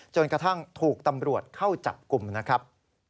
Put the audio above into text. จนกระทั่งถูกตำรวจเข้าจับกลุ่มนะครับ